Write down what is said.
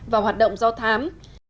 và hoạt động giao thám